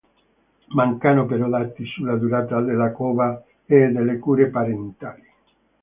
Mancano però dati sulla durata della cova e delle cure parentali.